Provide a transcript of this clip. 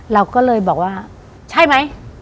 เราก็เลยบอกว่าใช่ไหม